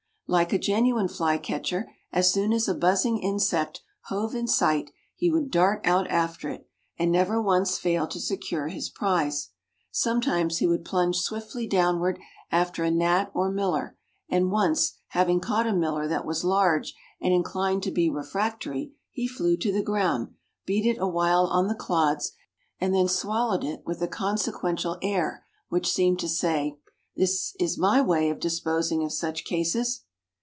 Like a genuine flycatcher, as soon as a buzzing insect hove in sight, he would dart out after it, and never once failed to secure his prize. Sometimes he would plunge swiftly downward after a gnat or miller, and once, having caught a miller that was large and inclined to be refractory, he flew to the ground, beat it awhile on the clods, and then swallowed it with a consequential air which seemed to say, 'That is my way of disposing of such cases!